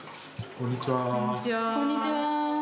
こんにちは。